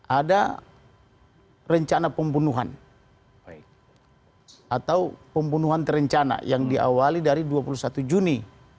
ada rencana pembunuhan atau pembunuhan terencana yang diawali dari dua puluh satu juni dua ribu dua puluh dua